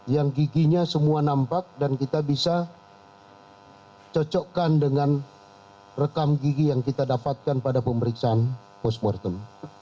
yang giginya semua nampak dan kita bisa cocokkan dengan rekam gigi yang kita dapatkan pada pemeriksaan post mortem